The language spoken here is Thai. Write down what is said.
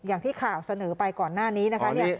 อย่างที่ข่าวเสนอไปก่อนหน้านี้นะคะ